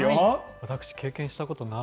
私、経験したことない。